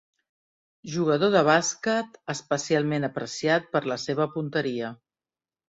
Jugador de bàsquet especialment apreciat per la seva punteria.